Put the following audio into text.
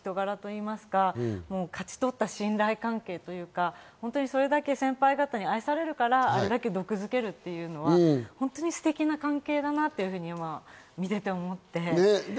円楽さんのお人柄といいますか、勝ち取った信頼関係というか、それだけ先輩方に愛されているから、あれだけ毒づけるっていうのはステキな関係だなっていうふうに今見てて思って。